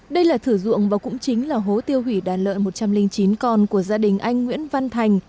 đây là thử dụng và cũng chính là hố tiêu hủy đàn lợn một trăm linh chín con của gia đình anh nguyễn văn thành